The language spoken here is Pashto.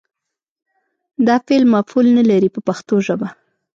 دا فعل مفعول نه لري په پښتو ژبه.